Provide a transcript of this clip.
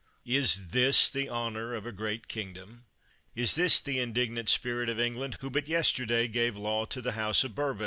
Is this the honor of a great kingdom ? Is this the indignant spirit of England, who "but yesterday" gave law to the house of Bourbon?